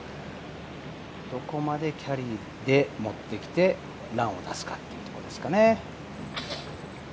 どこまでキャリーで持ってきてランを出すかというところですね。